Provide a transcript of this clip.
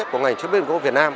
của ngành chí biên gỗ việt nam